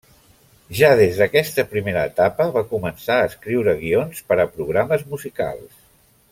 Ja des d'aquesta primera etapa va començar a escriure guions per a programes musicals.